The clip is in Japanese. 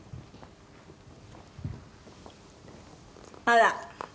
あら。